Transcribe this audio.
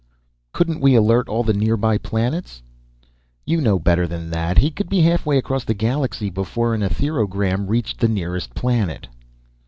"Couldn't we alert all the nearby planets?" "You know better than that. He could be halfway across the galaxy before an ethero gram reached the nearest planet."